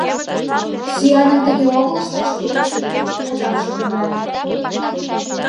— Сӱаным тыге огыл ышташ кӱлеш ыле да жапше тыгае.